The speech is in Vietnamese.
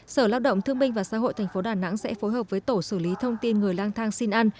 sở lao động thương minh và xã hội tp đà nẵng sẽ phối hợp với tổ xử lý thông tin người lang thang xin ăn